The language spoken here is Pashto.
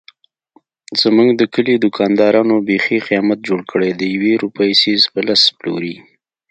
زموږ د کلي دوکاندارانو بیخي قیامت جوړ کړی دیوې روپۍ څيز په لس پلوري.